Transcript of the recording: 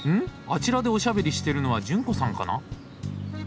あちらでおしゃべりしてるのは潤子さんかな？